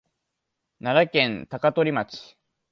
奈良県高取町